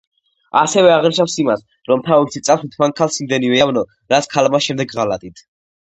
ასევე აღნიშნავს იმას, რომ თავისი წასვლით მან ქალს იმდენივე ავნო, რაც ქალმა შემდეგ ღალატით.